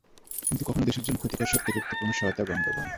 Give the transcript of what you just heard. কিন্তু কখনো দেশের জন্য ক্ষতিকর শর্তযুক্ত কোনো সহায়তা গ্রহণ করব না।